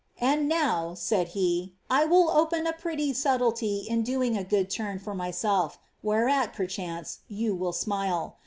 ^ And now," said he, ^ I will open ' a pretty subtlety in doing a good turn for myself, whereat, perchance, you will smile.